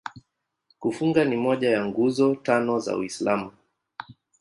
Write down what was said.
Kufunga ni moja ya Nguzo Tano za Uislamu.